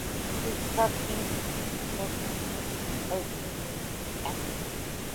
His cartoons appeared in program books, on posters, and in magazines.